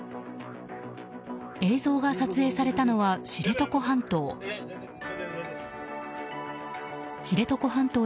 映像が撮影されたのは知床半島。